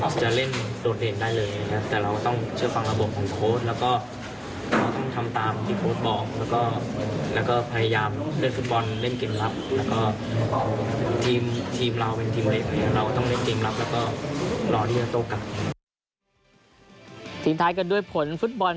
ทิ้งท้ายกันด้วยผลฟุตบอล